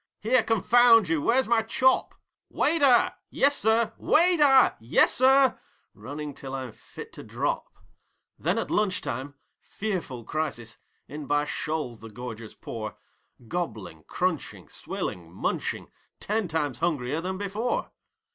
'Here, confound you, where's my chop?' 'Waiter!' 'Yessir!' 'Waiter!' 'Yessir!!' running till I'm fit to drop. Then at lunch time fearful crisis! In by shoals the gorgers pour, Gobbling, crunching, swilling, munching ten times hungrier than before.